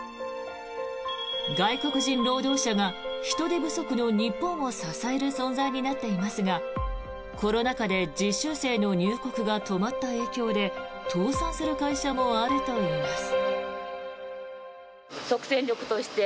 外国人労働者が人手不足の日本を支える存在となっていますがコロナ禍で実習生の入国が止まった影響で倒産する会社もあるといいます。